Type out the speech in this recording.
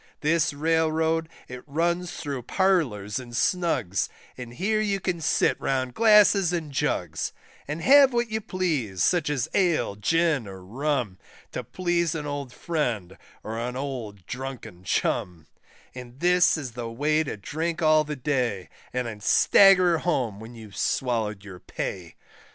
This Railroad it runs thro' Parlours and Snugs, And here you can sit round glasses and jugs, And have what you please, such as Ale, Gin, or Rum, To please an old friend, or an old drunken chum; And this is the way to drink all the day, And then stagger home when you've swallowed your pay.